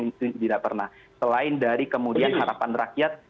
itu tidak pernah selain dari kemudian harapan rakyat